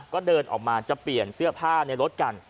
ก็เดินออกมาจะเปลี่ยนเสื้อผ้าในรถกัน